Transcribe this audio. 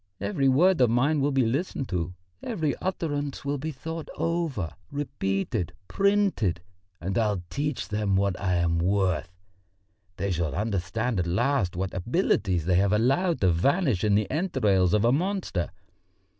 Every word of mine will be listened to, every utterance will be thought over, repeated, printed. And I'll teach them what I am worth! They shall understand at last what abilities they have allowed to vanish in the entrails of a monster.